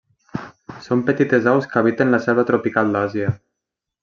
Són petites aus que habiten la selva tropical d'Àsia.